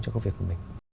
trong công việc của mình